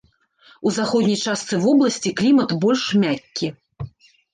У заходняй частцы вобласці клімат больш мяккі.